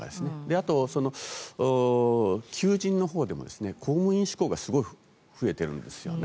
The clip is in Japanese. あと、求人のほうでも公務員志向がすごい増えているんですよね。